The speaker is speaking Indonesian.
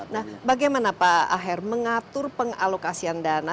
nah bagaimana pak aher mengatur pengalokasian dana